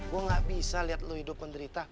gua nggak bisa liat lu hidup menderita